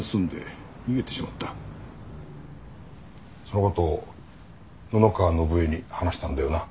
その事を布川伸恵に話したんだよな。